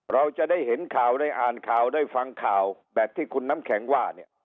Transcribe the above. เราจะได้เห็นข่าวได้อ่านข่าวได้ฟังข่าวแบบที่คุณน้ำแข็งว่าเนี่ย